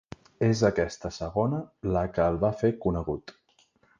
És aquesta segona la que el va fer conegut.